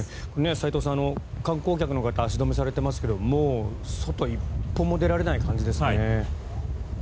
齋藤さん、観光客の方足止めされていますがもう、外に一歩も出られない感じですね。